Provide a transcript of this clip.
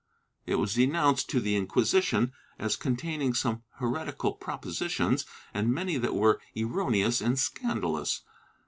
It was denounced to the Inquisition as containing some heretical propositions and many that were erroneous and scandalous.